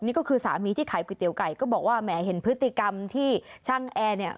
นี่ก็คือสามีที่ขายก๋วยเตี๋ยวไก่ก็บอกว่าแหมเห็นพฤติกรรมที่ช่างแอร์เนี่ย